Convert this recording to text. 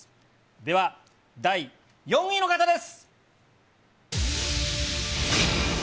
では第４位の方です。